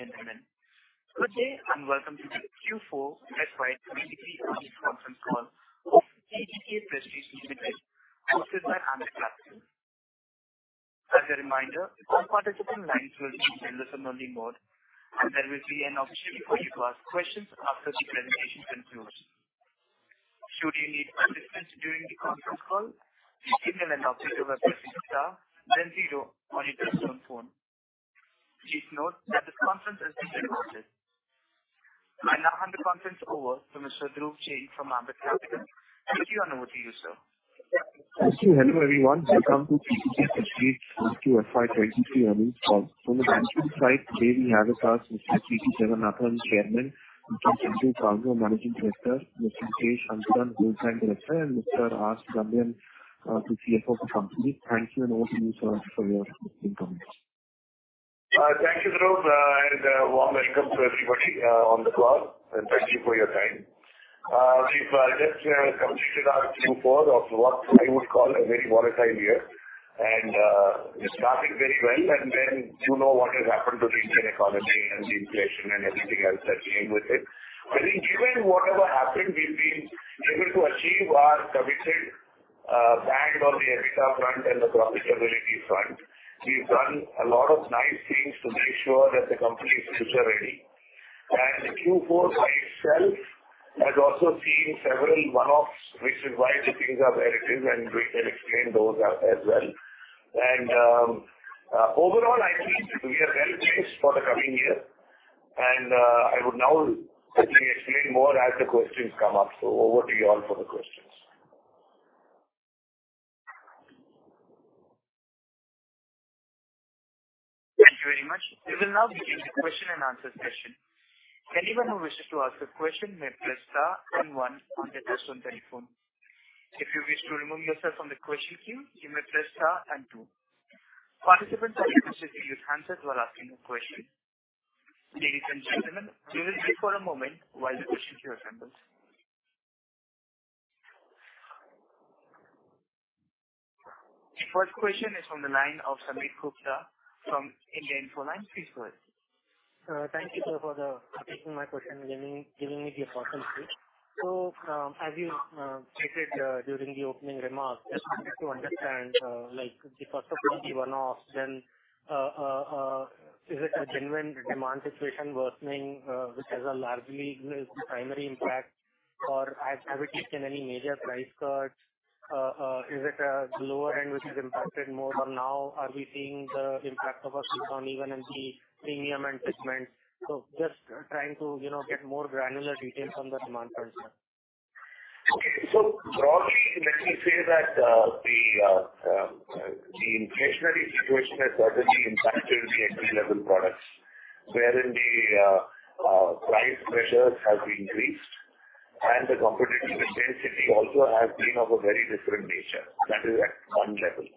and gentlemen. Good day and welcome to the Q4 FY 2023 Earnings Conference Call of TTK Prestige Limited, hosted by Ambit Capital. As a reminder, all participant lines will be in telephone-only mode, and there will be an opportunity for you to ask questions after the presentation concludes. Should you need assistance during the conference call, please press star then zero on your telephone. Please note that this conference has been recorded. I now hand the conference over to Mr. Dhruv Jain from Ambit Capital. Thank you. Over to you, sir. Thank you. Hello everyone. Welcome to TTK Prestige Q4 FY 2023 earnings call. From the management side, today we have with us Mr. T.T. Jagannathan, Chairman, and Mr. Chandru Kalro, Managing Director, Mr. K. Shankaran, Whole-time Director, and Mr. R. Sarangan, the CFO of the company. Thank you and over to you, sir, for your comments. Thank you, Dhruv, and a warm welcome to everybody on the call, and thank you for your time. We've just completed our Q4 of what I would call a very volatile year, and it started very well, and then you know what has happened to the Indian economy and the inflation and everything else that came with it. I think given whatever happened, we've been able to achieve our committed band on the EBITDA front and the profitability front. We've done a lot of nice things to make sure that the company is future-ready, and Q4 by itself has also seen several one-offs, which is why the things are where it is, and we can explain those as well, and overall, I think we are well placed for the coming year. And I would now, I think, explain more as the questions come up. Over to you all for the questions. Thank you very much. We will now begin the question and answer session. Anyone who wishes to ask a question may press star and one on their personal telephone. If you wish to remove yourself from the question queue, you may press star and two. Participants are requested to use handsets while asking a question. Ladies and gentlemen, we will wait for a moment while the question queue assembles. The first question is from the line of Sameer Gupta from IIFL Securities. Please go ahead. Thank you, sir, for taking my question and giving me the opportunity. So as you stated during the opening remarks, I wanted to understand, like the cost of the one-off, then is it a genuine demand situation worsening, which has a largely primary impact, or have we taken any major price cuts? Is it a lower end, which is impacted more? Now, are we seeing the impact of a slowdown even at the premium end segment? So just trying to get more granular details on the demand side, sir. Okay. So broadly, let me say that the inflationary situation has certainly impacted the entry-level products, wherein the price pressures have increased, and the competitive intensity also has been of a very different nature. That is at one level.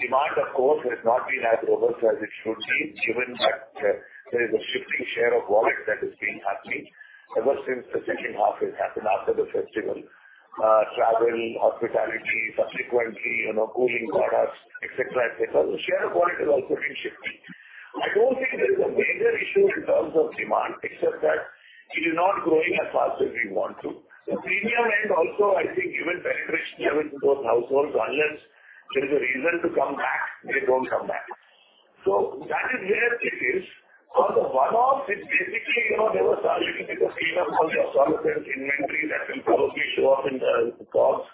Demand, of course, has not been as robust as it should be, given that there is a shifting share of wallet that is being happening ever since the second half has happened after the festival. Travel, hospitality, subsequently cooling products, etc., etc. The share of wallet has also been shifting. I don't think there is a major issue in terms of demand, except that it is not growing as fast as we want to. The premium end also, I think, given penetration level to those households, unless there is a reason to come back, they don't come back. So that is where it is. For the one-off, it's basically never started because we have all the obsolescence inventory that will probably show up in the stocks,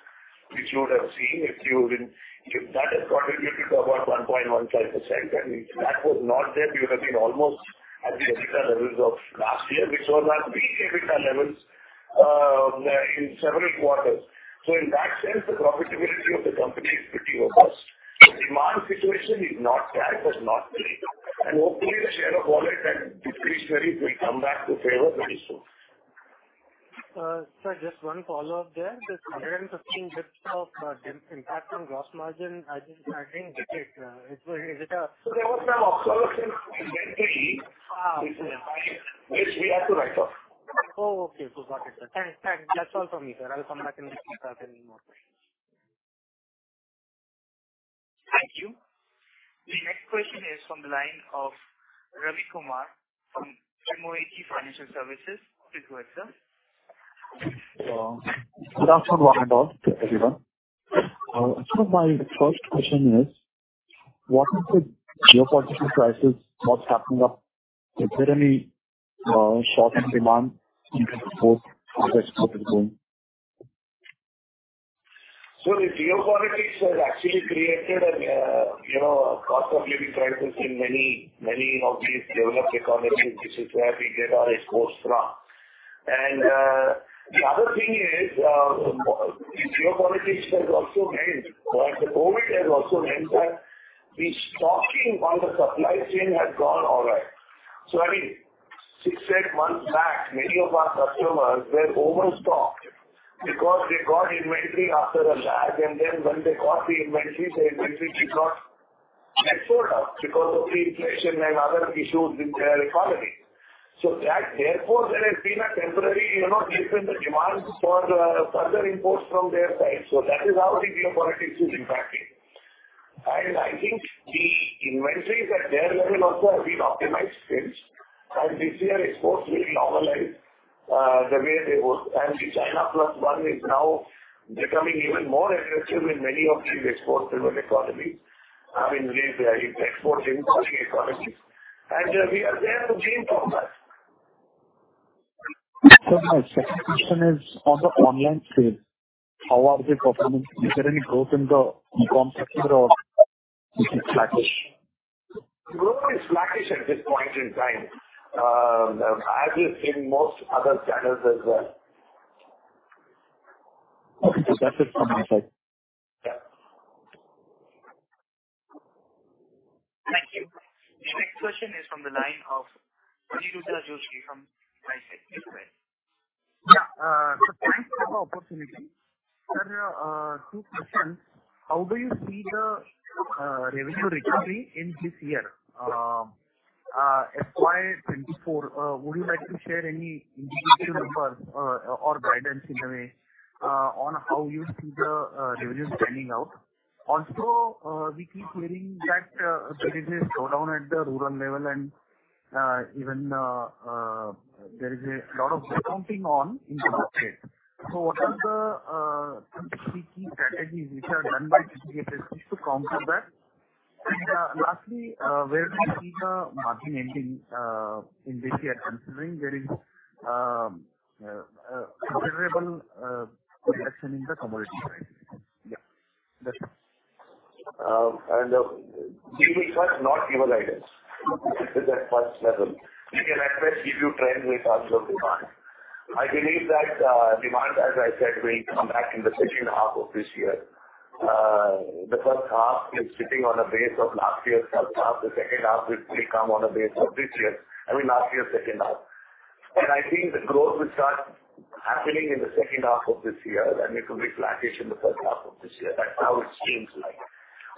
which you would have seen if you wouldn't. If that has contributed to about 1.15%, and if that was not there, we would have been almost at the EBITDA levels of last year, which was our peak EBITDA levels in several quarters. So in that sense, the profitability of the company is pretty robust. The demand situation is not bad, but not great. And hopefully, the share of wallet that decreased very will come back to favor very soon. Sir, just one follow-up there. This 115 basis points of impact on gross margin, I didn't get it. Is it a? There was some obsolescence inventory, which we have to write off. Oh, okay. Forgot it. Thanks. That's all from me, sir. I'll come back and ask any more questions. Thank you. The next question is from the line of Ravi Kumar from Moat Financial Services. Please go ahead, sir. Good afternoon, Management and all. Good afternoon, everyone. My first question is, what is the geopolitical crisis? What's happening up? Is there any shortage demand in terms of both how the export is going? So the geopolitics has actually created a cost of living crisis in many, many of these developed economies, which is where we get our exports from. And the other thing is, geopolitics has also meant, or the COVID has also meant that the stocking on the supply chain has gone all right. So I mean, six, eight months back, many of our customers, they're overstocked because they got inventory after a lag. And then when they got the inventory, the inventory did not get sold out because of the inflation and other issues in their economy. So therefore, there has been a temporary dip in the demand for further imports from their side. So that is how the geopolitics is impacting. And I think the inventories at their level also have been optimized since. And this year, exports will normalize the way they would. And the China Plus One is now becoming even more aggressive in many of these export-driven economies. I mean, export-driven economies. And we are there to gain from that. So my second question is on the online sales. How are they performing? Is there any growth in the e-com sector, or is it sluggish? Growth is sluggish at this point in time, as is in most other channels as well. Okay, so that's it from my side. Yeah. Thank you. The next question is from the line of Srishti Joshi from ISEC. Please go ahead. Yeah. So thanks for the opportunity. Sir, two questions. How do you see the revenue recovery in this year? FY 2024, would you like to share any individual numbers or guidance in a way on how you see the revenues panning out? Also, we keep hearing that there is a slowdown at the rural level, and even there is a lot of discounting on in the market. So what are the key strategies which are done by TTK Prestige to counter that? And lastly, where do you see the margin ending in this year? Considering there is considerable inflation in the commodity prices. Yeah. That's it. We will not give a guidance. This is at first level. We can at best give you trends in terms of demand. I believe that demand, as I said, will come back in the second half of this year. The first half is sitting on a base of last year's first half. The second half will come on a base of this year. I mean, last year's second half. And I think the growth will start happening in the second half of this year, and it will be sluggish in the first half of this year. That's how it seems like.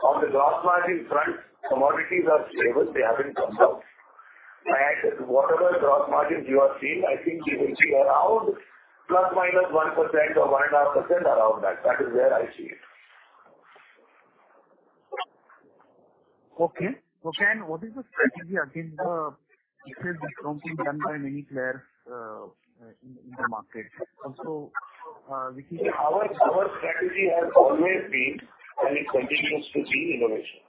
On the gross margin front, commodities are stable. They haven't gone down. Whatever gross margins you are seeing, I think we will be around plus minus 1% or 1.5% around that. That is where I see it. Okay. So then, what is the strategy against the discounting done by many players in the market? Also, we keep. Our strategy has always been, and it continues to be, innovation.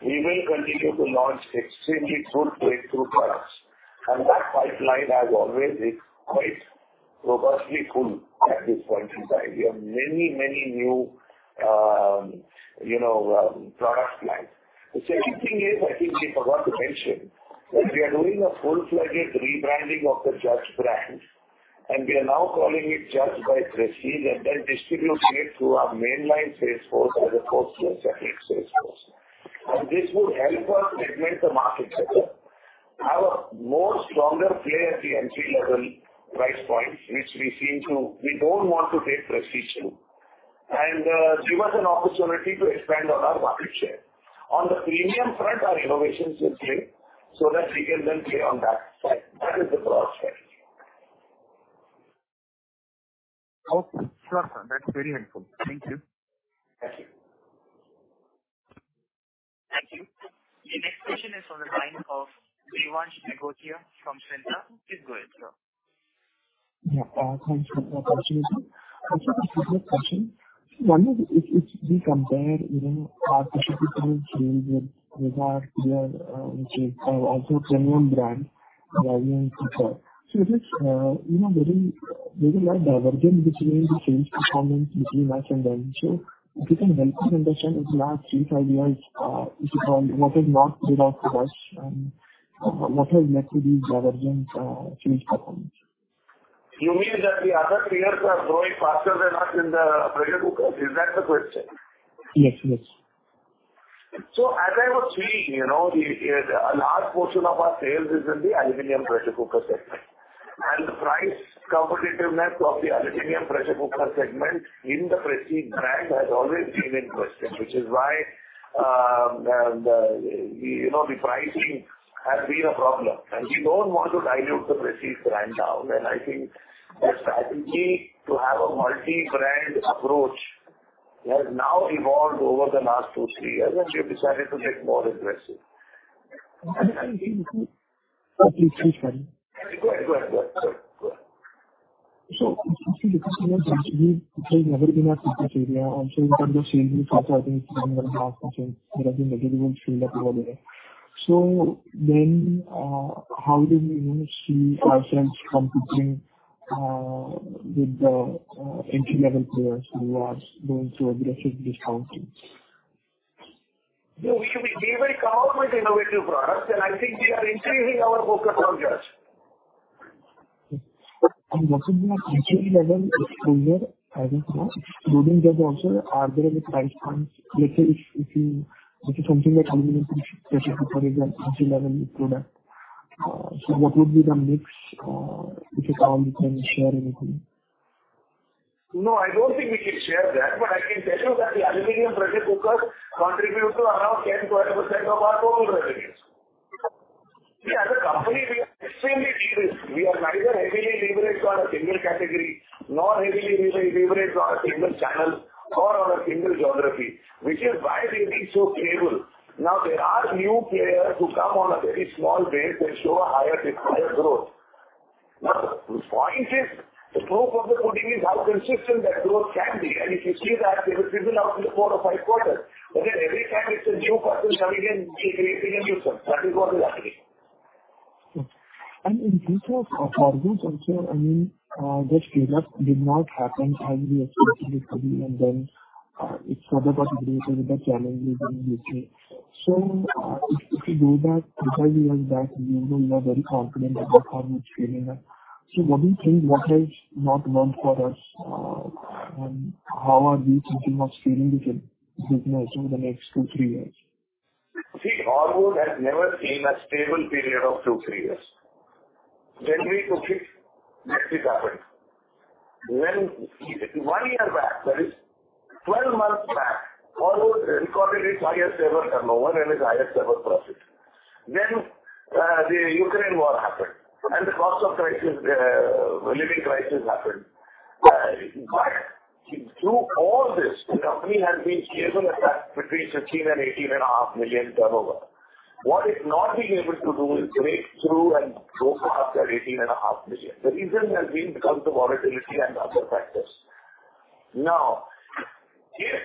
We will continue to launch extremely good breakthrough products. And that pipeline has always been quite robustly full at this point in time. We have many, many new product lines. The second thing is, I think we forgot to mention, that we are doing a full-fledged rebranding of the Judge brand, and we are now calling it Judge by Prestige, and then distributing it through our mainline sales force as opposed to a separate sales force. And this would help us segment the market better, have a more stronger play at the entry-level price points, which we don't want to take Prestige to, and give us an opportunity to expand on our market share. On the premium front, our innovations will play so that we can then play on that side. That is the broad strategy. Okay. Sir, that's very helpful. Thank you. Thank you. Thank you. The next question is from the line of Devansh Nigotia from SIMPL. Please go ahead, sir. Yeah. Thanks for the opportunity. I just have a quick question. I wonder if we compare our distribution and sales with our peer, which is also a premium brand, Hawkins. So it looks like there's a lot of divergence between the sales performance between us and them. So if you can help me understand over the last three, five years, what has not played out for us, and what has led to these divergent sales performance? You mean that the other players are growing faster than us in the pressure cookers? Is that the question? Yes. Yes. As I was saying, a large portion of our sales is in the aluminum pressure cooker segment. The price competitiveness of the aluminum pressure cooker segment in the Prestige brand has always been interesting, which is why the pricing has been a problem. We don't want to dilute the Prestige brand down. The strategy to have a multi-brand approach has now evolved over the last two, three years, and we have decided to get more aggressive. I think, sorry. Go ahead, so I see the customers actually playing everything up in this area, so in terms of sales, we've seen something like 0.5%, but I think that it won't scale up over there, so then how do you see ourselves competing with the entry-level players who are going through aggressive discounting? So we will come up with innovative products, and I think we are increasing our focus on Judge. What would be an entry-level exposure? I think. Excluding Judge also, are there any price points? Let's say if you this is something that aluminum pressure cooker is an entry-level product. So what would be the mix? If you can, you can share anything. No, I don't think we can share that, but I can tell you that the aluminum pressure cookers contribute to around 10%-12% of our total revenues. We as a company, we are extremely de-risked. We are neither heavily leveraged on a single category nor heavily leveraged on a single channel or on a single geography, which is why they've been so stable. Now, there are new players who come on a very small base and show a higher growth. Now, the point is, the proof of the pudding is how consistent that growth can be. And if you see that, it will fizzle out in the four or five quarters. But then every time it's a new person coming in, they're creating a new source. That is what is happening. And in terms of margins also, I mean, Judge did not happen as we expected it to be, and then it further got greater with the challenges in this year. So if we go back, because we went back, you know you are very confident that this margin is scaling up. So what do you think, what has not worked for us, and how are we thinking of scaling this business over the next two, three years? See, Horwood has never seen a stable period of two, three years. When we took it, that did happen. One year back, that is 12 months back, Horwood recorded its highest-ever turnover and its highest-ever profit. Then the Ukraine war happened, and the cost of living crisis happened. But through all this, the company has been scaled between 15-18.5 million turnover. What it's not been able to do is break through and go past that 18.5 million. The reason has been because of volatility and other factors. Now, if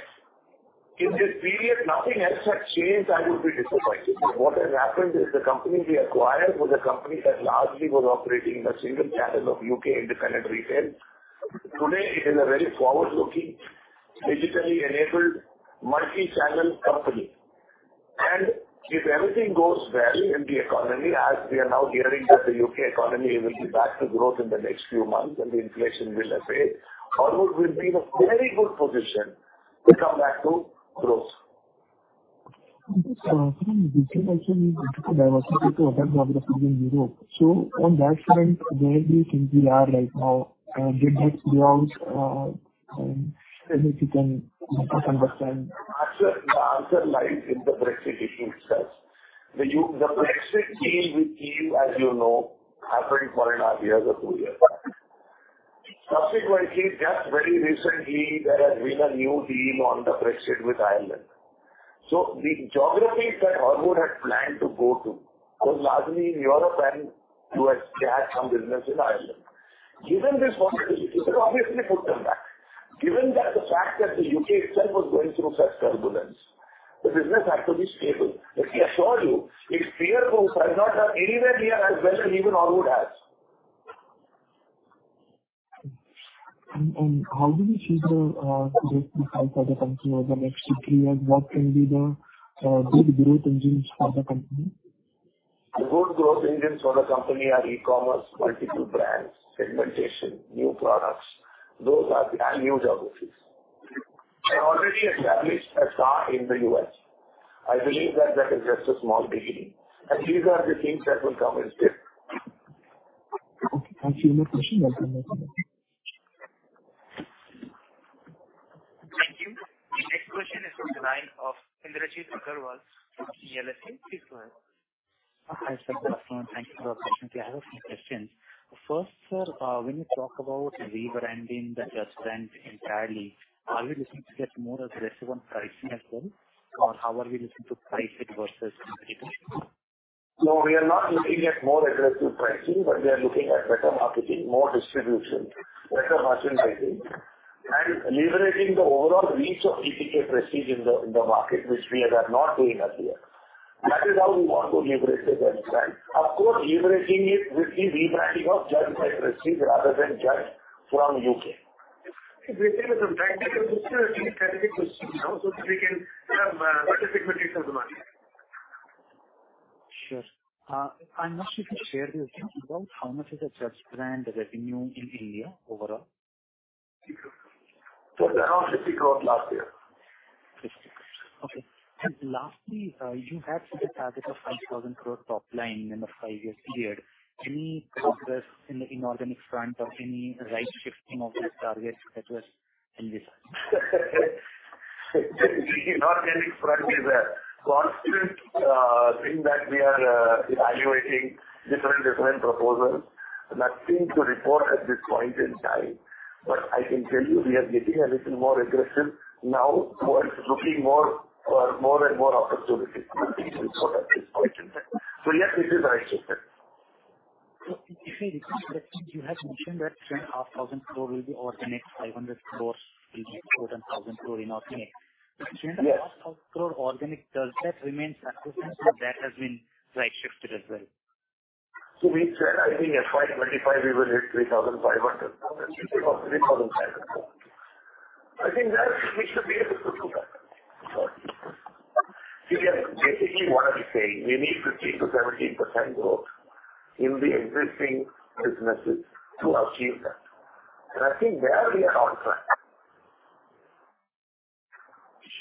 in this period nothing else had changed, I would be disappointed. But what has happened is the company we acquired was a company that largely was operating in a single channel of UK independent retail. Today, it is a very forward-looking, digitally-enabled multi-channel company. If everything goes well in the economy, as we are now hearing that the U.K. economy will be back to growth in the next few months and the inflation will have faded, Horwood will be in a very good position to come back to growth. Sir, can you also give a quick diversification to other parts of Europe? So on that front, where do you think we are right now? Did that grow out? And if you can help us understand. The answer lies in the Brexit issue itself. The Brexit deal with the E.U., as you know, happened for another year or two years. Subsequently, just very recently, there has been a new deal on the Brexit with Ireland. So the geographies that Horwood had planned to go to was largely in Europe and the U.S. They had some business in Ireland. Given this volatility, they obviously put them back. Given that the fact that the U.K. itself was going through such turbulence, the business had to be stable. But we assure you, its peer groups have not done anywhere near as well as even Horwood has. How do we choose the best design for the country over the next two, three years? What can be the big growth engines for the company? The good growth engines for the company are e-commerce, multiple brands, segmentation, new products. Those are brand new geographies. They're already established there in the U.S. I believe that that is just a small beginning. And these are the things that will come in step. Okay. Thank you. No questions. Welcome. Thank you. The next question is from the line of Indrajit Agarwal from CLSA. Please go ahead. Hi, Sir. Thank you for the opportunity. I have a few questions. First, sir, when you talk about rebranding the Judge brand entirely, are we looking to get more aggressive on pricing as well, or how are we looking to price it versus competitors? No, we are not looking at more aggressive pricing, but we are looking at better marketing, more distribution, better merchandising, and leveraging the overall reach of TTK Prestige in the market, which we are not doing as yet. That is how we want to leverage the Judge brand. Of course, leveraging it with the rebranding of Judge by Prestige rather than Judge from U.K. If we say with some tactical, this is a strategic question, so that we can have better segmentation of the market. Sure. I'm not sure if you shared with us about how much is a Judge brand revenue in India overall? Around INR 50 crores last year. 50 crores. Okay. And lastly, you had set a target of 5,000 crores top line in a five-year period. Any progress in the inorganic front or any right shifting of these targets that was invisible? Inorganic front is a constant thing that we are evaluating different proposals. Nothing to report at this point in time, but I can tell you we are getting a little more aggressive now towards looking for more and more opportunities. Nothing to report at this point in time, so yes, it is right shifted. Okay. If I recall correctly, you had mentioned that 10,500 crores will be organic, 500 crores will be inorganic and 1,000 crores inorganic. But 10,500 crores organic, does that remain intact or that has been right shifted as well? We said, I think FY 25, we will hit 3,500 crores instead of INR 3,500 crores. I think that we should be able to do that. We have basically what I'm saying. We need 15%-17% growth in the existing businesses to achieve that. And I think there we are on track.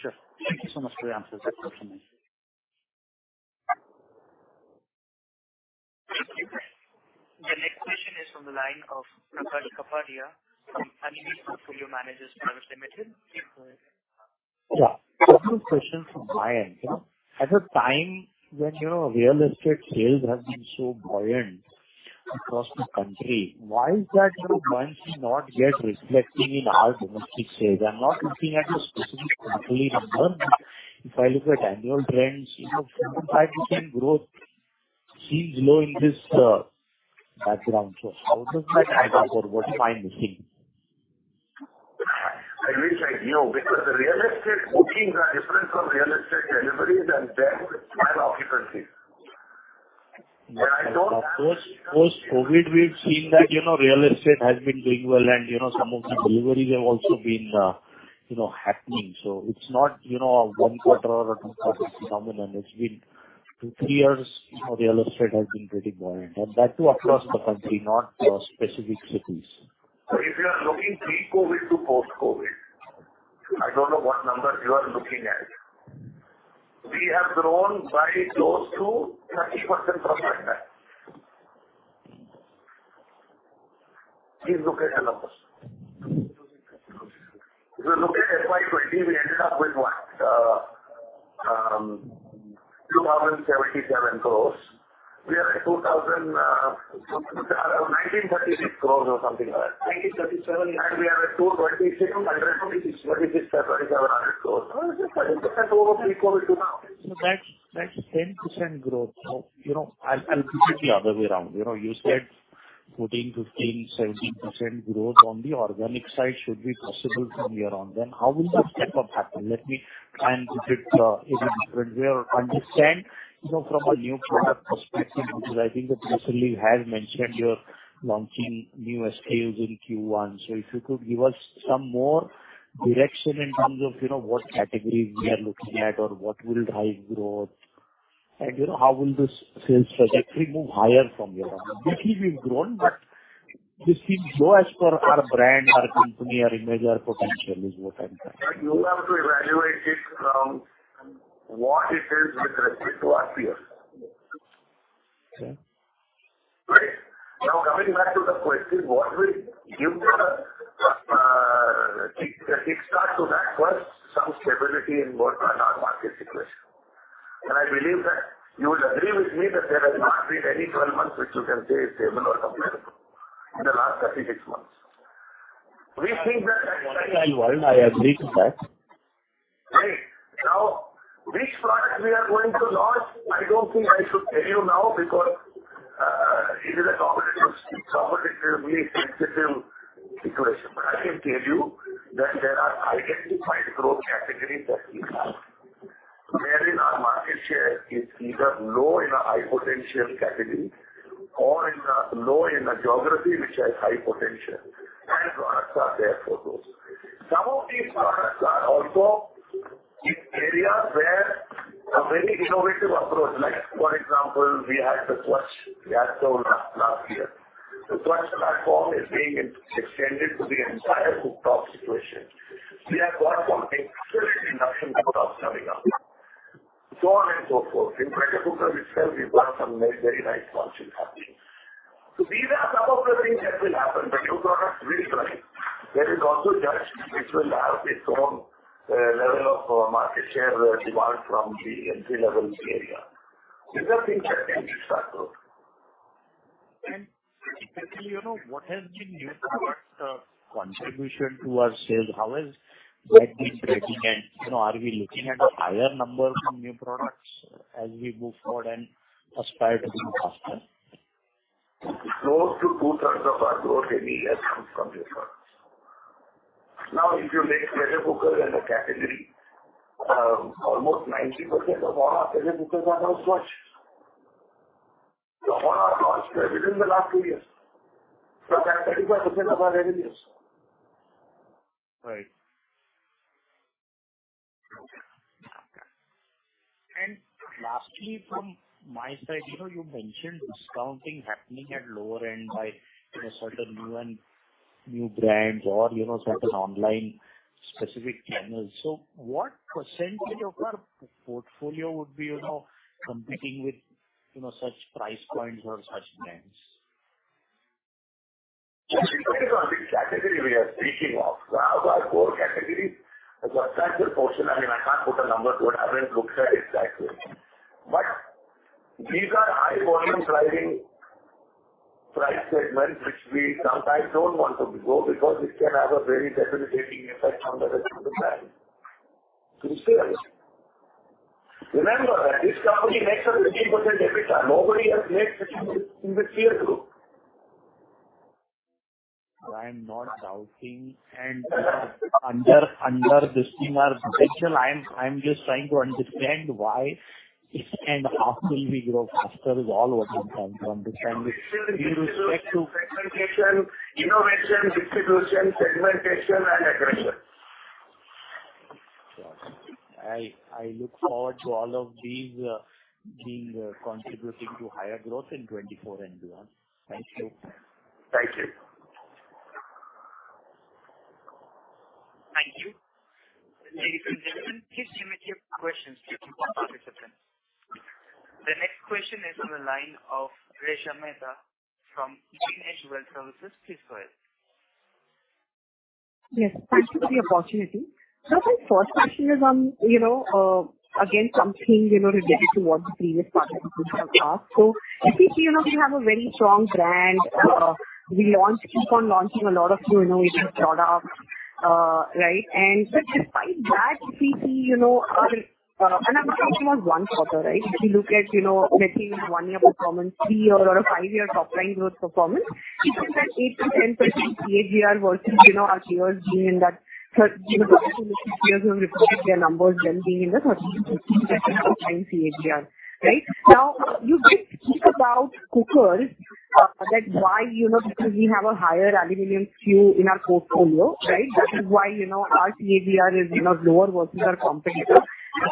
Sure. Thank you so much for your answers. That's all from me. The next question is from the line of Prakash Kapadia from Anivil Portfolio Managers Private Limited. Yeah. Just a quick question from my end. At a time when real estate sales have been so buoyant across the country, why is that buoyancy not yet reflecting in our domestic sales? I'm not looking at a specific country number, but if I look at annual trends, 4.5% growth seems low in this background. So how does that add up, or what am I missing? I will tell you, because the real estate bookings are different from real estate deliveries, and then it's time occupancy. When I told. Of course, post-COVID, we've seen that real estate has been doing well, and some of the deliveries have also been happening. So it's not a one-quarter or a two-quarter phenomenon. It's been two, three years real estate has been pretty buoyant. And that too across the country, not specific cities. So if you are looking pre-COVID to post-COVID, I don't know what numbers you are looking at. We have grown by close to 30% from that time. Please look at the numbers. If you look at FY 2020, we ended up with what? 2,077 crores. We are at 1,936 crores or something like that. 1,937. We are at 22,600. 2,2600. 2,600-INR 2,700 crores. Oh, it's just 30% over pre-COVID to now. So that's 10% growth. So I'll put it the other way around. You said 14%, 15%, 17% growth on the organic side should be possible from here on. Then how will this step-up happen? Let me try and put it a little different way or understand from a new product perspective, which I think that recently you have mentioned you're launching new SKUs in Q1. So if you could give us some more direction in terms of what categories we are looking at or what will drive growth, and how will this sales trajectory move higher from here on? Obviously, we've grown, but this seems low as per our brand, our company, our image, our potential is what I'm trying to. But you have to evaluate it from what it is with respect to our peers. Okay. Right. Now, coming back to the question, what will give us a kickstart to that? First, some stability in both our market situation. And I believe that you will agree with me that there has not been any 12 months which you can say is stable or comparable in the last 36 months. We think that. I will. I agree to that. Great. Now, which product we are going to launch, I don't think I should tell you now because it is a competitively sensitive situation. But I can tell you that there are identified growth categories that we have. There, in our market share is either low in a high-potential category or low in a geography which has high potential. And products are there for those. Some of these products are also in areas where a very innovative approach, like for example, we had the Svachh we had sold last year. The Svachh platform is being extended to the entire cooktop situation. We have got some excellent induction products coming up. So on and so forth. In pressure cookers itself, we've got some very, very nice launching happening. So these are some of the things that will happen. The new products will drive. There is also Judge. It will have its own level of market share demand from the entry-level area. These are things that can be started. Prakash, what has been new products' contribution to our sales? How has that been breaking? And are we looking at a higher number of new products as we move forward and aspire to be faster? Close to two-thirds of our growth any year comes from new products. Now, if you take pressure cookers as a category, almost 90% of all our pressure cookers are now Svachh. So all our launch revenue in the last two years. So that's 35% of our revenues. Right. Okay. And lastly, from my side, you mentioned discounting happening at lower end by certain new brands or certain online specific channels. So what percentage of our portfolio would be competing with such price points or such brands? Specifically, we are speaking of our core categories, a substantial portion, I mean, I can't put a number to it. I haven't looked at it that way. But these are high-volume driving price segments, which we sometimes don't want to go because it can have a very debilitating effect on the rest of the brand. To be fair, remember that this company makes 15% every time. Nobody has made 15% in this year too. I'm not doubting, and under this thing or potential, I'm just trying to understand why it can hustle with grow faster. Is all what I'm trying to understand with respect to. Innovation, distribution, segmentation, and aggression. Sure. I look forward to all of these being contributing to higher growth in 2024 and beyond. Thank you. Thank you. Thank you. Ladies and gentlemen, please limit your questions to two per participant. The next question is from the line of Resha Mehta from GreenEdge Wealth Services. Please go ahead. Yes. Thank you for the opportunity. So my first question is on, again, something related to what the previous participants have asked. So we have a very strong brand. We keep on launching a lot of new innovative products, right? And despite that, we see—and I'm talking about one quarter, right? If you look at, let's say, one-year performance, three-year or a five-year top-line growth performance, it's at 8%-10% CAGR versus our peers being in that 30%-60% when we put their numbers then being in the 30%-60% top-line CAGR, right? Now, you did speak about cookers. That's why because we have a higher aluminum SKU in our portfolio, right? That is why our CAGR is lower versus our competitor.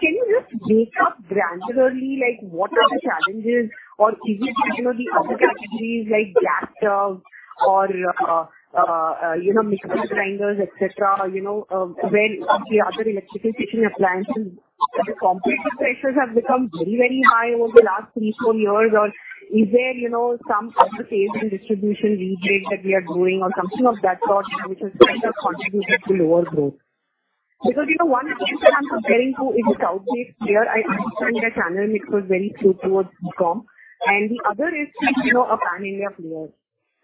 Can you just break down granularly what are the challenges or is it the other categories like gas stoves or mixer grinders, etc., where the other electrical kitchen appliances' competitive pressures have become very, very high over the last three, four years? Or is there some other sales and distribution rebate that we are doing or something of that sort which has contributed to lower growth? Because one of the things that I'm comparing to is a south base player. I understand their channel mix was very skewed towards e-com. And the other is a Pan India player.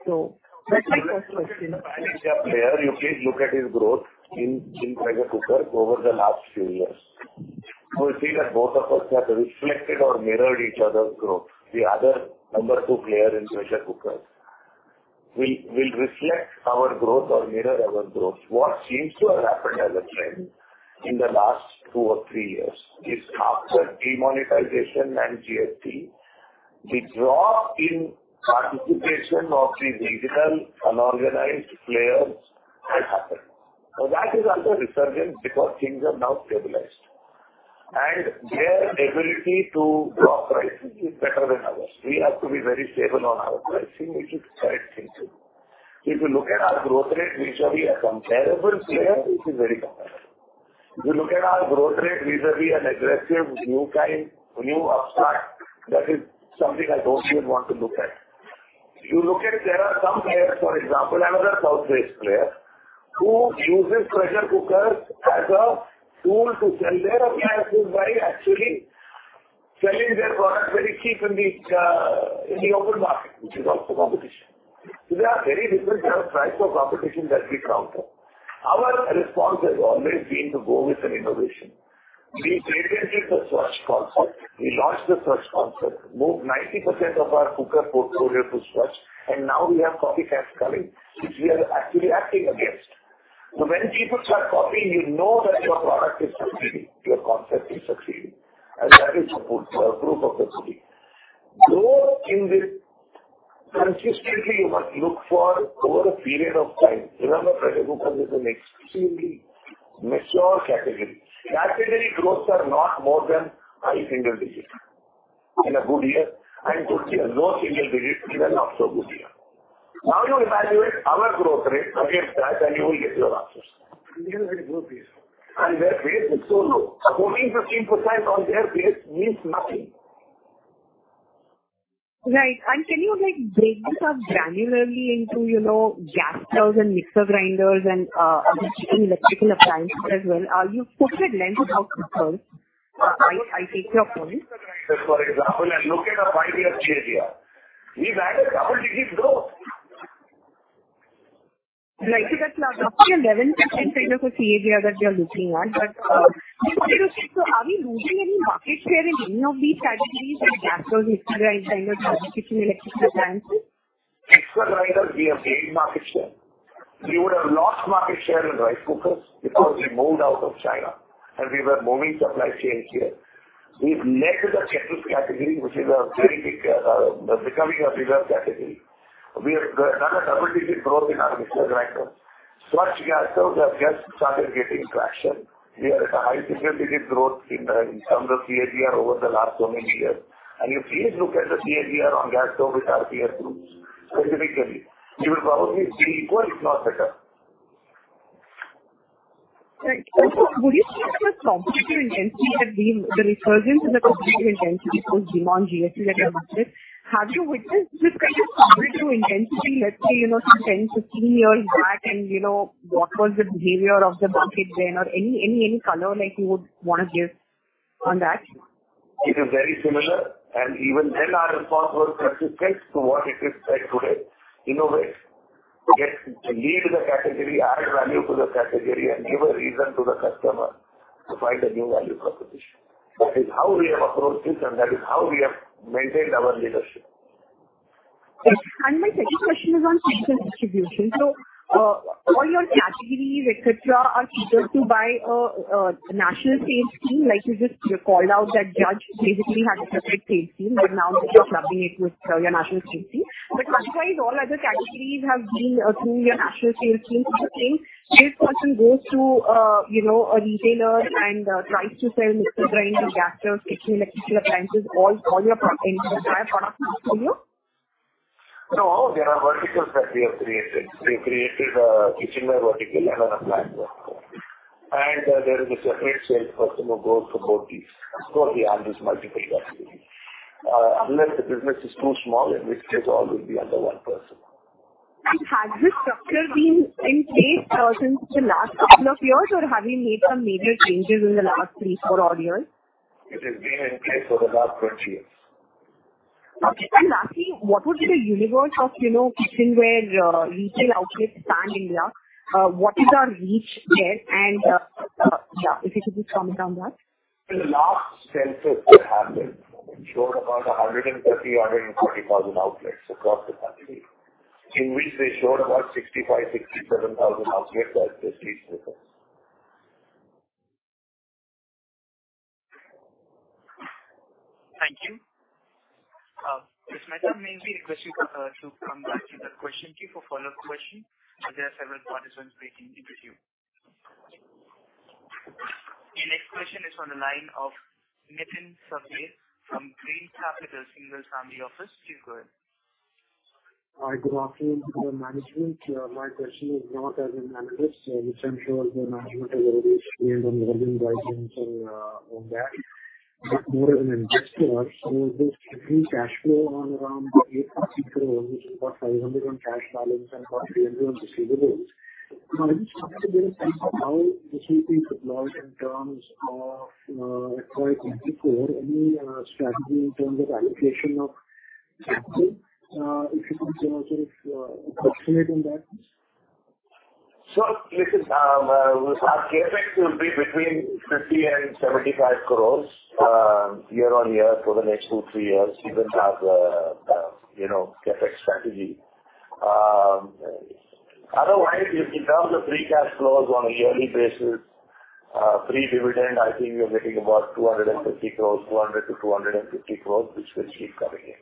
So that's my first question. Pan India player, you look at its growth in pressure cookers over the last few years. So we see that both of us have reflected or mirrored each other's growth. The other number-two player in pressure cookers will reflect our growth or mirror our growth. What seems to have happened as a trend in the last two or three years is after demonetization and GST, the drop in participation of these regional unorganized players has happened. So that is undergoing resurgence because things have now stabilized. And their ability to drop prices is better than ours. We have to be very stable on our pricing, which is quite simple. So if you look at our growth rate, which we are a comparable player, it is very comparable. If you look at their growth rate, they are an aggressive new kind, new upstart. That is something I don't even want to look at. You look at, there are some players, for example, another South base player who uses pressure cookers as a tool to sell their appliances by actually selling their product very cheap in the open market, which is also competition. So there are very different types of competition that we counter. Our response has always been to go with an innovation. We patented the Svachh concept. We launched the Svachh concept, moved 90% of our cooker portfolio to Svachh, and now we have copycats coming, which we are actually acting against. So when people start copying, you know that your product is succeeding, your concept is succeeding. And that is the proof of the pudding. Growth in this consistently, you must look for over a period of time. Remember, pressure cookers is an extremely mature category. Category growths are not more than high single digit in a good year. Low single digit in a not-so-good year. Now you evaluate our growth rate against that, and you will get your answers. Individual growth rate. Their base is so low. 14%-15% on their base means nothing. Right. And can you break this up granularly into gas stoves and mixer grinders and other kitchen electrical appliances as well? You've spoken at length about cookers. I take your point. For example, and look at a five-year CAGR. We've had a double-digit growth. Right. So that's up to 11% kind of a CAGR that we are looking at. But so are we losing any market share in any of these categories like gas stoves, mixer grinders, kitchen electrical appliances? Mixer grinders, we have gained market share. We would have lost market share in rice cookers because we moved out of China and we were moving supply chains here. We've led to the kettles category, which is a very big becoming a bigger category. We have done a double-digit growth in our mixer grinders. Svachh gas stoves have just started getting traction. We are at a high single-digit growth in terms of CAGR over the last so many years. And if you please look at the CAGR on gas stoves with our peer groups specifically, you will probably see equal, if not better. Right. So would you say that the resurgence in the competitive intensity from the demand side that you mentioned, have you witnessed this kind of competitive intensity, let's say, 10, 15 years back? What was the behavior of the market then, or any color you would want to give on that? It is very similar. And even then, our response was consistent to what it is today. Innovate to lead the category, add value to the category, and give a reason to the customer to find a new value proposition. That is how we have approached it, and that is how we have maintained our leadership. My second question is on distribution. So all your categories, etc., are distributed to by a national sales team? You just called out that Judge basically had a separate sales team, but now they are clubbing it with your national sales team. But otherwise, all other categories have been through your national sales team to the same? This person goes to a retailer and tries to sell mixer grinders, gas stoves, kitchen electrical appliances, all your entry-level products for you? No. All there are verticals that we have created. We have created a kitchenware vertical and an appliance vertical and there is a separate salesperson who goes to both these to handle multiple categories. Unless the business is too small, in which case, all will be under one person. Has this structure been in place since the last couple of years, or have you made some major changes in the last three, four, or years? It has been in place for the last 20 years. Okay. And lastly, what would be the universe of kitchenware retail outlets in India? What is our reach there? And yeah, if you could just comment on that. In the last census, they have shown about 130,000-140,000 outlets across the country in which they showed about 65,000-67,000 outlets at least with us. Thank you. Ms. Mehta, may we request you to come back to the question queue for follow-up questions? There are several participants waiting to interview. Your next question is from the line of Nitin Shakdher from Green Capital Single Family Office. Please go ahead. Hi. Good afternoon, Management. My question is not as an analyst, which I'm sure the management has already explained on the volume guidance and all that. But more as an investor, I saw this cash flow on around 8-10 crores, which is about 500 on cash balance and about 300 on receivables. I just wanted to get a sense of how this will be deployed in terms of acquired inventory or any strategy in terms of allocation of capital. If you could also just explain on that. Listen, our CapEx will be between 50 and 75 crores year on year for the next two, three years, even past the CapEx strategy. Otherwise, in terms of free cash flows on a yearly basis, free dividend, I think we are getting about 250 crores, 200 to 250 crores, which will keep coming in.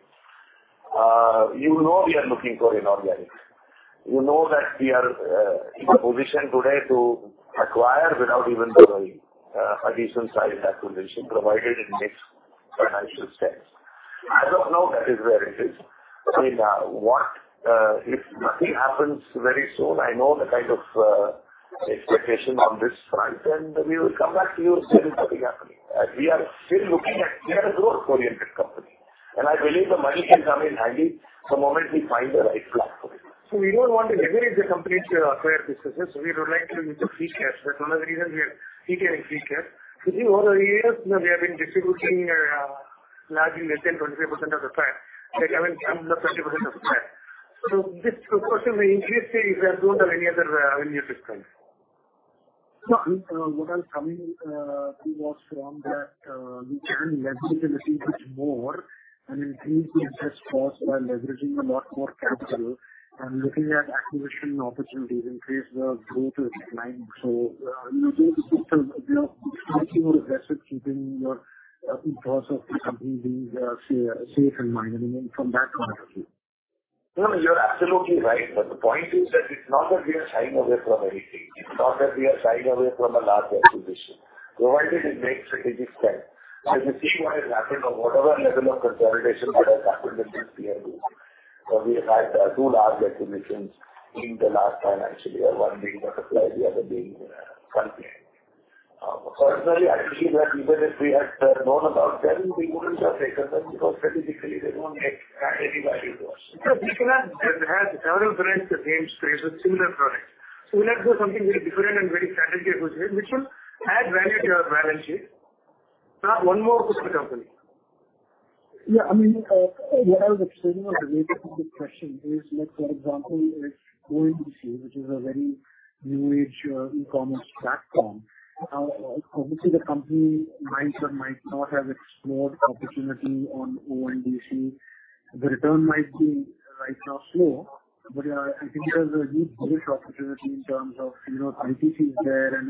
You know we are looking for inorganics. You know that we are in a position today to acquire without even doing a decent-sized acquisition, provided it meets financial standards. I don't know that is where it is. If nothing happens very soon, I know the kind of expectation on this front, and we will come back to you if there is nothing happening. We are still looking at we are a growth-oriented company. And I believe the money can come in handy the moment we find the right platform. So we don't want to leverage the company to acquire businesses. We would like to use the free cash. That's one of the reasons we are retaining free cash. For years, we have been distributing largely less than 25% of the PAT, like I mean, under 20% of the PAT. So this proportion may increase if we don't have any other avenue to expand. What I'm coming to was from that we can leverage a little bit more and increase the investment cost by leveraging a lot more capital and looking at acquisition opportunities in case the growth is declining, so we are keeping more aggressive, keeping the interest of the company being safe and minor, from that point of view. No, you're absolutely right. But the point is that it's not that we are shying away from anything. It's not that we are shying away from a large acquisition, provided it makes strategic sense. As you see what has happened or whatever level of consolidation that has happened in this space, we have had two large acquisitions in the last financial year, one being Butterfly, the other being Sunflame. Personally, I believe that even if we had known about them, we wouldn't have taken them because strategically they don't add any value to us. So Nitin has several brands that they have created similar products. So we'll have to do something very different and very strategic with him, which will add value to your balance sheet. One more question, company. Yeah. I mean, what I was explaining on the way to the question is, for example, if ONDC, which is a very new-age e-commerce platform, obviously the company might not have explored opportunity on ONDC. The return might be right now slow, but I think there's a huge growth opportunity in terms of, ITC is there and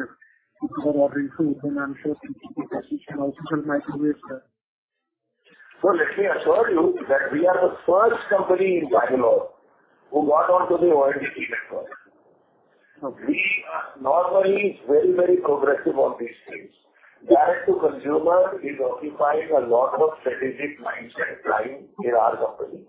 people are ordering food. And I'm sure the Prestige can also sell microwaves. Let me assure you that we are the first company in Bangalore who got onto the ONDC network. We are normally very, very progressive on these things. Direct-to-consumer is occupying a lot of strategic mindset playing in our company.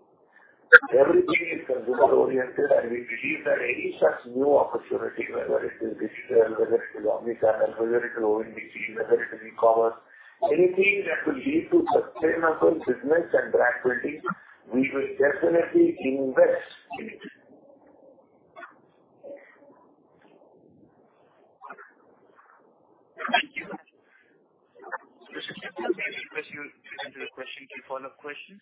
Everything is consumer-oriented, and we believe that any such new opportunity, whether it is digital, whether it is Omnichannel, whether it is ONDC, whether it is e-commerce, anything that will lead to sustainable business and brand building, we will definitely invest in it. Thank you. May we address your two follow-up questions?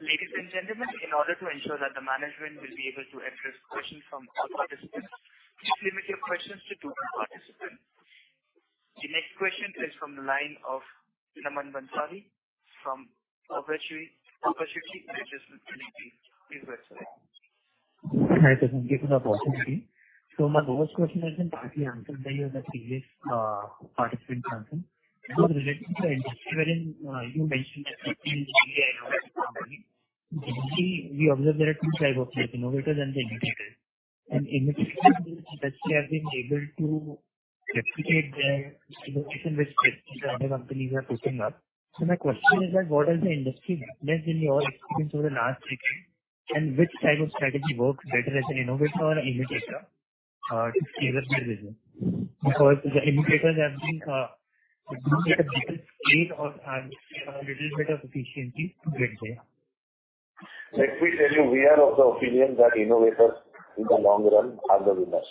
Ladies and gentlemen, in order to ensure that the management will be able to address questions from all participants, please limit your questions to two participants. The next question is from the line of Naman Bhansali from Perpetuity Ventures. Please go ahead. Hi. Thank you for the opportunity. So my first question is partly answered by the previous participant's answer. It was related to the industry wherein you mentioned that Stove Kraft is a newly innovative company. Generally, we observe there are two types of people, innovators and the imitators. And in this case, the industry has been able to replicate their innovation with the other companies they are pushing up. So my question is that what has the industry witnessed in your experience over the last decade, and which type of strategy works better as an innovator or an imitator to scale up their business? Because the imitators have been doing it at a different scale or a little bit of efficiency to get there. Let me tell you, we are of the opinion that innovators in the long run are the winners.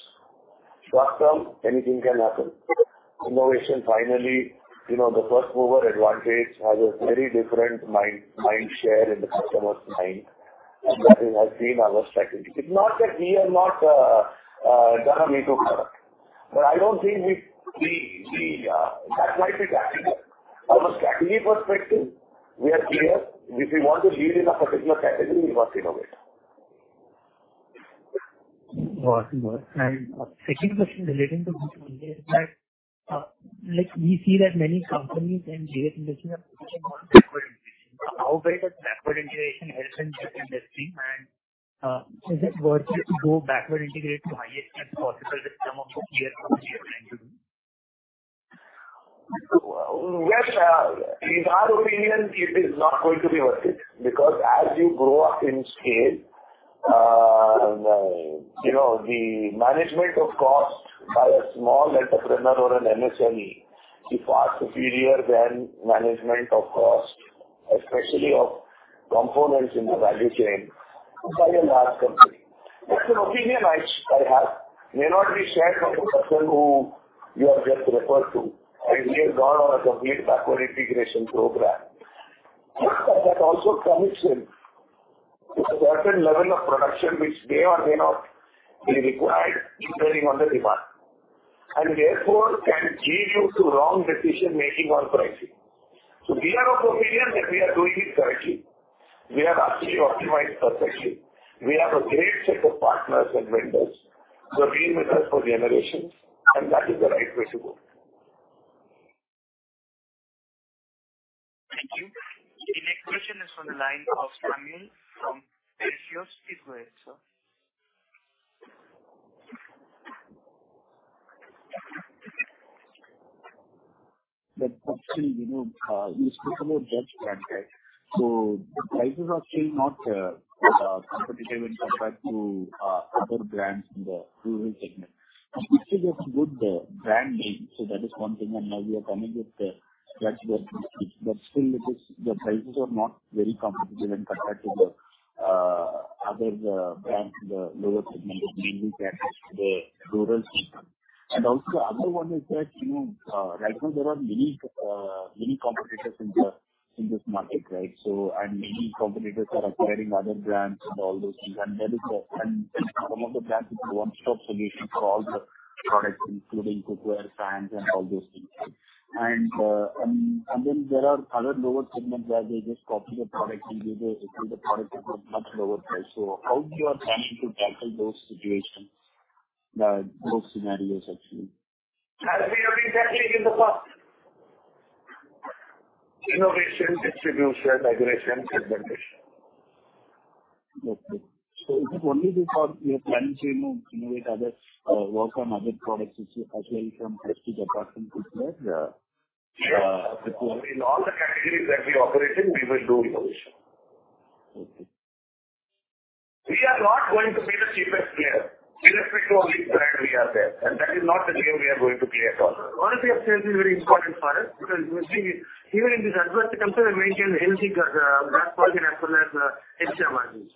Short term, anything can happen. Innovation finally, the first-mover advantage has a very different mind share in the customer's mind. That has been our strategy. It's not that we have not done a me-too. But I don't think that might be tactical. From a strategy perspective, we are clear. If we want to lead in a particular category, we must innovate. My second question relating to this one is that we see that many companies and leaders in this industry are pushing on backward integration. How well does backward integration help in this industry? Is it worthy to go backward integrate to highest steps possible with some of the clear strategy you're trying to do? In our opinion, it is not going to be worth it because as you grow up in scale, the management of cost by a small entrepreneur or an MSME is far superior than management of cost, especially of components in the value chain, by a large company. That's an opinion I have. It may not be shared by the person who you have just referred to. He has gone on a complete backward integration program, but that also commits him to a certain level of production, which may or may not be required, depending on the demand, and therefore can lead you to wrong decision-making on pricing, so we are of the opinion that we are doing it correctly. We are actually optimized perfectly. We have a great set of partners and vendors who have been with us for generations, and that is the right way to go. Thank you. The next question is from the line of Samuel from Perfios. The question, you know, you spoke about Judge brand, right? So the prices are still not competitive in comparison to other brands in the rural segment. It's just good brand name. So that is one thing. And now we are coming with Judge brand. But still, the prices are not very competitive in comparison to the other brands, the lower segment, mainly the rural people. And also the other one is that, you know, right now there are many competitors in this market, right? And many competitors are acquiring other brands and all those things. And there is some of the brands which one-stop solution for all the products, including cookware, fans, and all those things. And then there are other lower segments where they just copy the product and give the product at a much lower price. So how you are planning to tackle those situations, those scenarios, actually? We have been tackling in the past. Innovation, distribution, migration, segmentation. Okay, so is it only because you're planning to innovate or work on other products as well from plastic apart from cookware? In all the categories that we operate in, we will do innovation. Okay. We are not going to be the cheapest player. We respect all these brands we have there. And that is not the game we are going to play at all. Quality of sales is very important for us because even in this adverse time, we maintain a healthy gross margin as well as our margins.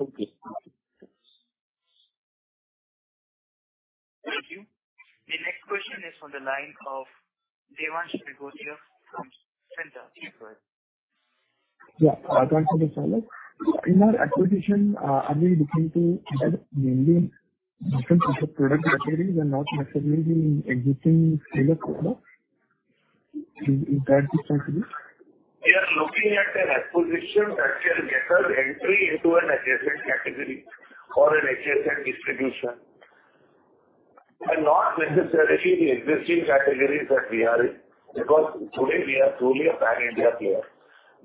Okay. Thank you. The next question is from the line of Devansh Nigotia from SIMP. Yeah. Thanks for the follow-up. In our acquisition, are we looking to add mainly different types of product categories and not necessarily existing scale of products? Is that the point of view? We are looking at an acquisition that can get us entry into an HSN category or an HSN distribution. And not necessarily the existing categories that we are in because today we are truly a pan-India player.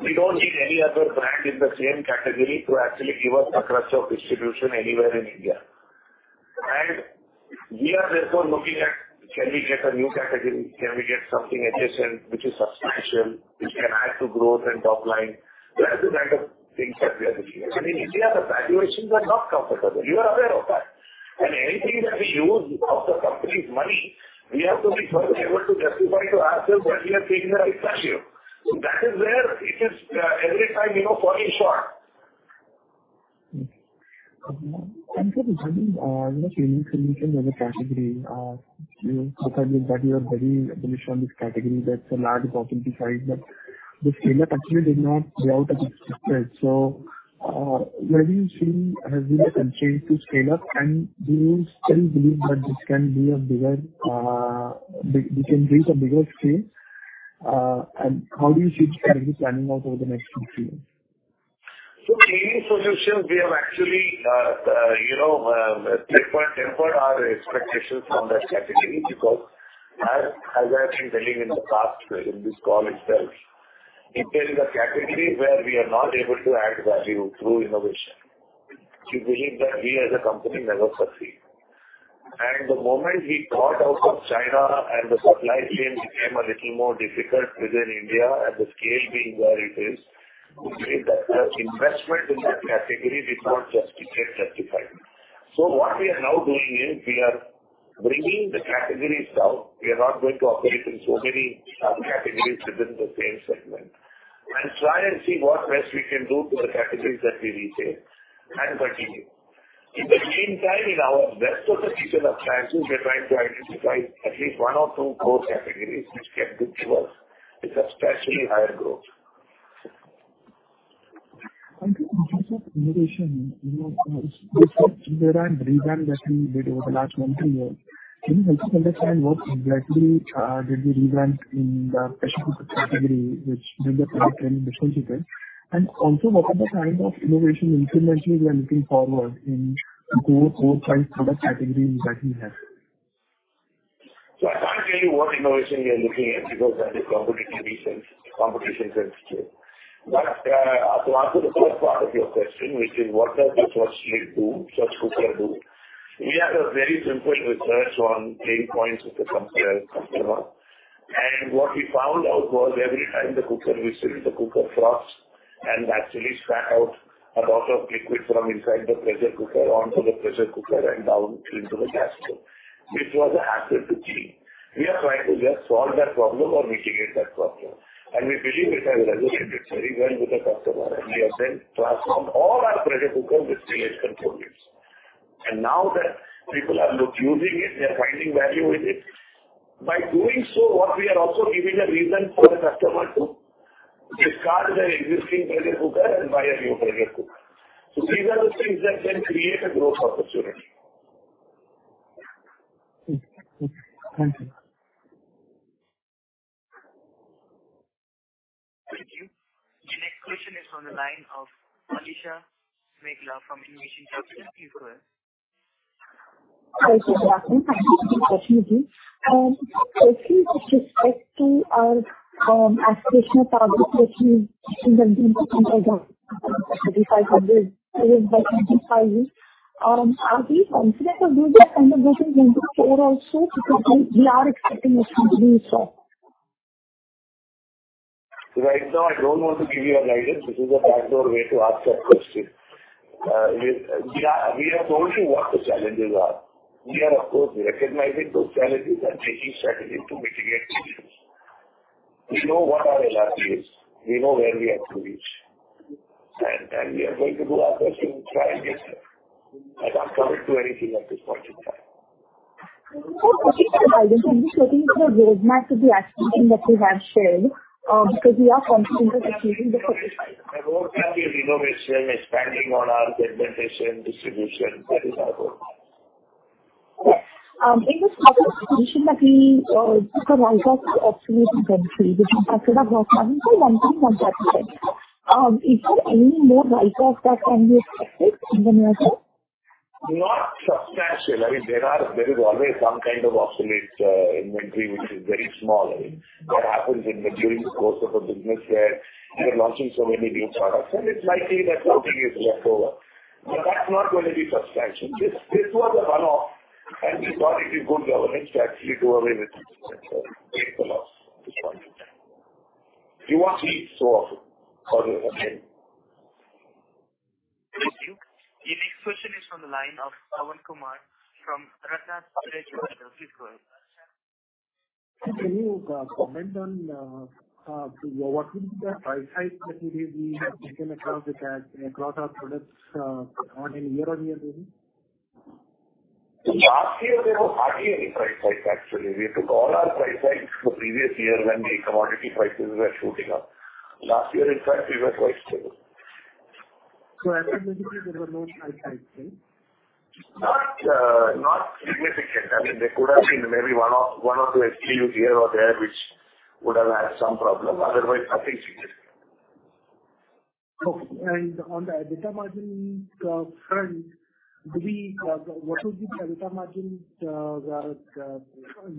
We don't need any other brand in the same category to actually give us a crutch of distribution anywhere in India. And we are therefore looking at, can we get a new category? Can we get something HSN which is substantial, which can add to growth and top line? That's the kind of things that we are looking at. And in India, the valuations are not comfortable. You are aware of that. And anything that we use of the company's money, we have to be first able to justify to ourselves that we are taking the right value. So that is where it is every time falling short. Thank you for joining. You mentioned the category. The fact is that you are very bullish on this category. That's a large opportunity side. But the scale-up actually did not play out as expected. So what do you feel has been the constraint to scale up? And do you still believe that this can be a bigger we can reach a bigger scale? And how do you see the strategy planning out over the next two years? So key solutions we have actually tackled are expectations from that category because, as I've been telling in the past, in this call itself, if there is a category where we are not able to add value through innovation, we believe that we as a company never succeed. And the moment we got out of China and the supply chain became a little more difficult within India and the scale being where it is, we believe that the investment in that category did not just get justified. So what we are now doing is we are bringing the categories down. We are not going to operate in so many subcategories within the same segment and try and see what best we can do to the categories that we retain and continue. In the meantime, in our best of the future plans, we are trying to identify at least one or two core categories which can give us a substantially higher growth. Thank you for the question. You mentioned there are three brands that we did over the last one to two years. Can you help us understand what exactly did we rebrand in the specialty product category which brings up the trending business you said? And also what are the kind of innovation increments we are looking forward in core product categories that we have? So I can't tell you what innovation we are looking at because that is competition-based and competition-centered scale. But to answer the first part of your question, which is what does the Svachh lead to, Svachh cookware do? We had a very simple research on pain points of the consumer customer. And what we found out was every time the cooker whistles, the cooker froths and actually spat out a lot of liquid from inside the pressure cooker onto the pressure cooker and down into the gasket, which was a hassle to clean. We are trying to just solve that problem or mitigate that problem. And we believe it has resonated very well with the customer. And we have then transformed all our pressure cookers with Svachh components. And now that people are using it, they are finding value in it. By doing so, what we are also giving a reason for the customer to discard their existing pressure cooker and buy a new pressure cooker. So these are the things that can create a growth opportunity. Thank you. Thank you. The next question is from the line of Alisha Mahawla from Envision Capital. Hi, I'm just asking some questions. Excuse me. So firstly, with respect to our aspirational target, which is in the mid-20s 500s to 2050, are we confident of doing this kind of business in the forward also? Because we are expecting a huge reset. Right now, I don't want to give you a guidance. This is a backdoor way to ask that question. We have told you what the challenges are. We are, of course, recognizing those challenges and making strategies to mitigate these. We know what our LRT is. We know where we have to reach. And we are going to do our best to try and get there. I'm not commenting on anything at this point in time. What would be the guidance? Would you say this is a roadmap to the aspiration that we have shared? Because we are confident of achieving the first. The roadmap is innovation, expanding on our segmentation, distribution. That is our roadmap. Yes. In this process, you mentioned that we took a write-off to obsolete inventory, which impacted gross margin by 1.1%. Is there any more write-off that can be expected in the near term? Not substantial. I mean, there is always some kind of obsolete inventory, which is very small. That happens during the course of a business where you're launching so many new products, and it's likely that something is left over. But that's not going to be substantial. This was a run-off, and we thought it is good governance to actually do away with it. So it's a loss at this point in time. You won't see it so often for the remain. Thank you. The next question is from the line of Pavan Kumar from Ratna Traya Capital. Can you comment on what would be the price hike that we may be looking across our products on a year-on-year basis? Last year, there was hardly any price hike, actually. We took all our price hikes the previous year when the commodity prices were shooting up. Last year, in fact, we were quite stable. So estimated that there were no price hikes, right? Not significant. I mean, there could have been maybe one or two SKUs here or there which would have had some problem. Otherwise, nothing significant. Okay. On the EBITDA margin front, what would be the EBITDA margin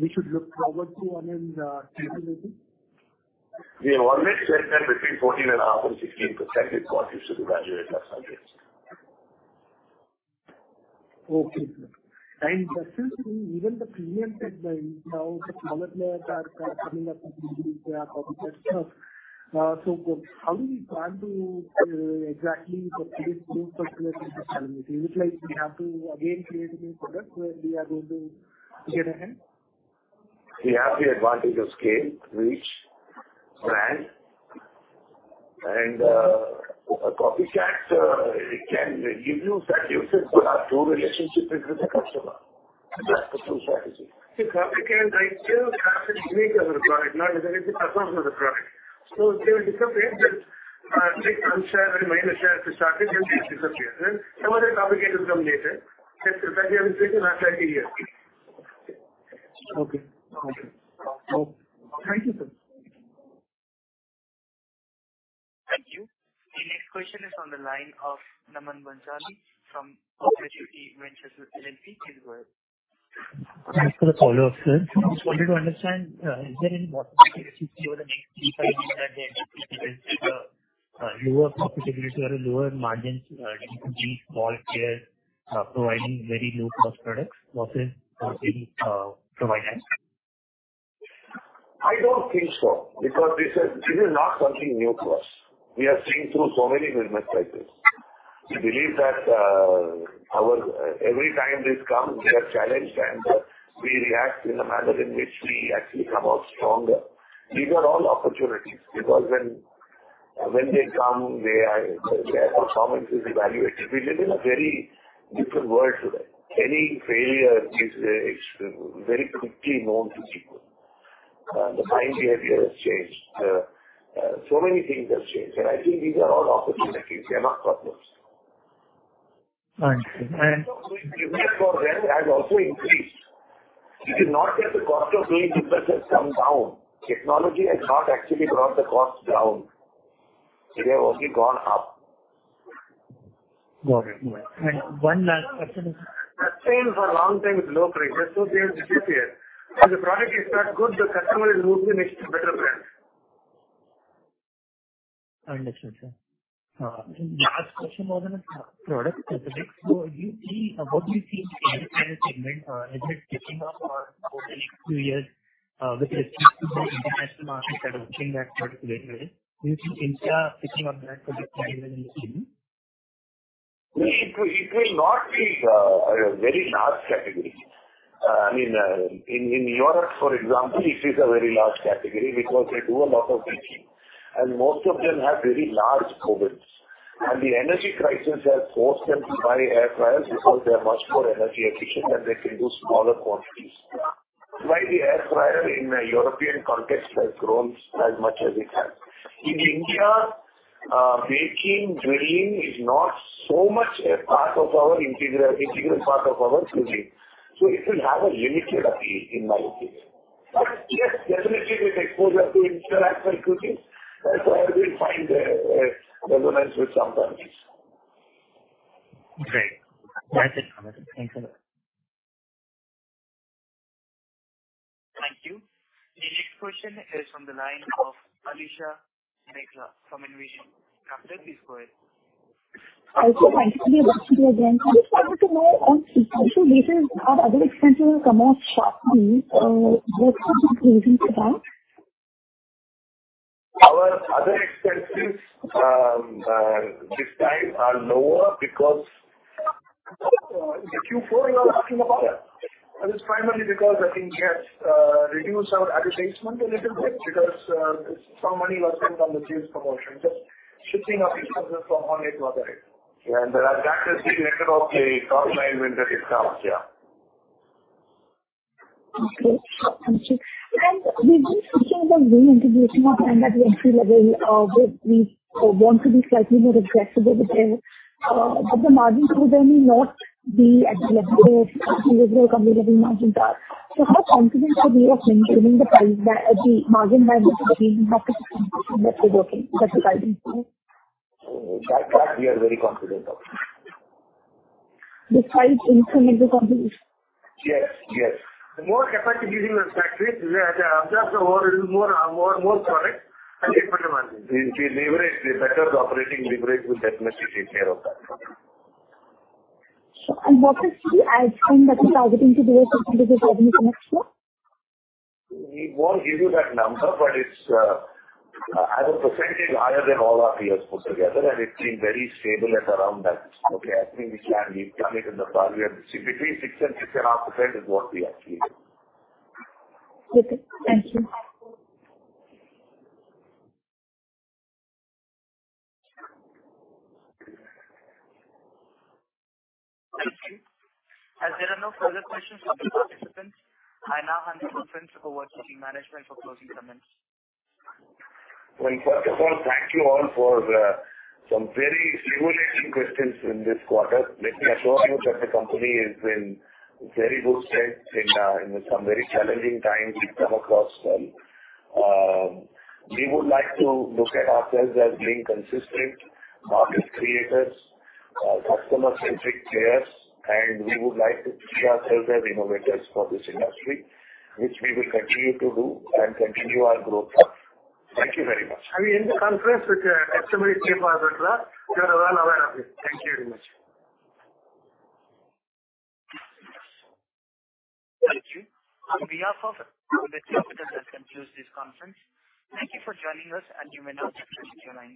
we should look forward to on an annual basis? We have already said that between 14.5% and 16% is what we should evaluate last time. Okay. And just to see even the premium segment, now the smaller players are coming up in the industry. They are copying that stuff. So how do we plan to tackle the previous year's competition challenges? Is it like we have to again create a new product where we are going to get ahead? We have the advantage of scale, reach, brand. And a copycat, it can give short shrift to our true relationship with the customer. That's the true strategy. The copycat might still have a unique product, not necessarily the customer's product. So they will disappear just like some share and minor share to start it, and it disappears. And some other copycat will come later. That's the strategy I've been taking the last 30 years. Okay. Okay. Thank you, sir. Thank you. The next question is from the line of Naman Bhansali from Perpetuity Ventures LLP. Thanks for the follow-up, sir. Just wanted to understand, is there any possibility that you see over the next three to five years that there will be a lower profitability or a lower margin in these small players providing very low-cost products versus being provided? I don't think so because this is not something new to us. We have seen through so many movements like this. We believe that every time this comes, we are challenged, and we react in a manner in which we actually come out stronger. These are all opportunities because when they come, their performance is evaluated. We live in a very different world today. Any failure is very quickly known to people. The buying behavior has changed. So many things have changed, and I think these are all opportunities. They are not problems. Thank you. Demand for them has also increased. You can see that the cost of doing business has come down. Technology has not actually brought the cost down. They have only gone up. Got it. And one last question. That's the same for a long time with low prices. So they have disappeared. If the product is not good, the customer is moving to a better brand. Understood, sir. Last question more than a product specific. So what do you see in the enterprise segment as it is picking up over the next few years with respect to the international market that are watching that product very well? Do you see India picking up that product very well in the same? It will not be a very large category. I mean, in Europe, for example, it is a very large category because they do a lot of heating, and most of them have very large ovens, and the energy crisis has forced them to buy air fryers because they are much more energy efficient, and they can do smaller quantities. That's why the air fryer in the European context has grown as much as it has. In India, baking, grilling is not so much an integral part of our cooking, so it will have a limited appeal, in my opinion. But yes, definitely, with exposure to international cooking, that's why it will find resonance with some countries. Great. Thank you. Thank you. The next question is from the line of Alisha Mahawla from Envision Capital. Thank you. Nice to be back with you again. I just wanted to know, on a sequential basis, are other expenses that are coming up sharply? What would you attribute that to? Our other expenses this time are lower because the Q4 you are asking about. It's primarily because I think we have reduced our advertisement a little bit because some money was spent on the sales promotion, just shifting our businesses from one way to another. Yeah. And that has been the effect of the top-line winter discounts. Yeah. Okay. Thank you, and we've been speaking about rural and the route in to standard entry-level, where we want to be slightly more accessible with them, but the margins would only not be at the level where the usual company-level margins are, so how confident would you be of maintaining the margin via premiumization marketing strategy that you're guiding to? That we are very confident of. Despite incremental contributions? Yes. Yes. The more capacity-building manufacturers that are just more product and different margins. We will leverage the better operating leverage, which will definitely take care of that. What is the outcome that you're targeting to do with this revenue for next year? We won't give you that number, but it's at a percentage higher than all our peers put together, and it's been very stable at around that. Okay? I think we can - we've done it in the past. We have between 6%-6.5% is what we actually do. Okay. Thank you. Thank you. As there are no further questions from the participants, I now hand the conference over to the management for closing comments. First of all, thank you all for some very stimulating questions in this quarter. Let me assure you that the company is in very good strength in some very challenging times we've come across them. We would like to look at ourselves as being consistent market creators, customer-centric players, and we would like to see ourselves as innovators for this industry, which we will continue to do and continue our growth. Thank you very much. I'll be in the conference with customary safe harbour clause. You are well aware of it. Thank you very much. Thank you. We are off. Let the participants conclude this conference. Thank you for joining us, and you may now disconnect.